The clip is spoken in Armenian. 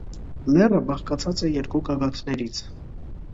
Լեռը բաղկացած է երկու գագաթներից։